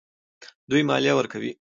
دوی مالیه ورکوي.